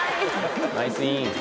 ナイスイン！